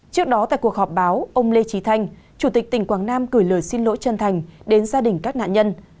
trước đó tại cuộc họp báo ông lê trí thanh chủ tịch tỉnh quảng nam gửi lời xin lỗi chân thành đến gia đình các nạn nhân